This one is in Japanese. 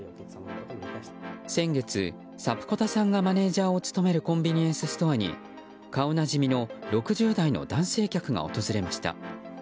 先月、サプコタさんがマネジャーを務めるコンビニエンスストアに顔なじみの６０代の男性客が訪れました。